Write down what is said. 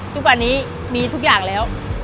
ทุกวันนี้มีทุกอย่างแล้ว